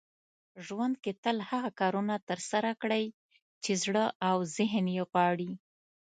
ژوند کې تل هغه کارونه ترسره کړئ چې زړه او ذهن يې غواړي .